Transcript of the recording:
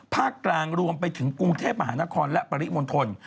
ภาคกลางรวมไปถึงกรุงเทพมหานครและปริมณฑล